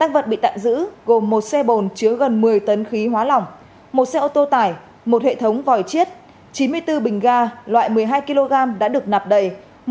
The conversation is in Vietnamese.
vật bị tạm giữ gồm một xe bồn chứa gần một mươi tấn khí hóa lỏng một xe ô tô tải một hệ thống vòi chiết chín mươi bốn bình ga loại một mươi hai kg đã được nạp đầy